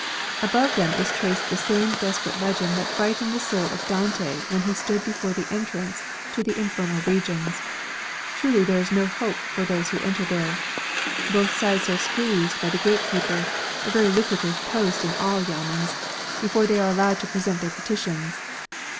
Above them is traced the same desperate legend that frightened the soul of Dante when he stood before the entrance to the infernal regions. Truly there is no hope for those who enter there. Both sides are squeezed by the gate keeper — a very lucrative post in all yamens * Official and private residence, all in one. 46 LOAN SOCIETIES. — before they are allowed to present their petitions.